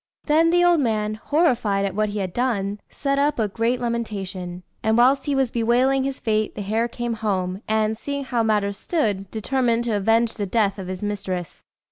Then the old man, horrified at what he had done, set up a great lamentation; and whilst he was bewailing his fate, the hare came home, and, seeing how matters stood, determined to avenge the death of his mistress.